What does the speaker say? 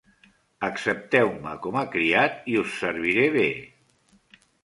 Accepteu-me com a criat i us serviré bé.